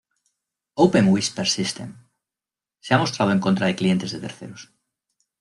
Open Whisper System se ha mostrado en contra de clientes de terceros.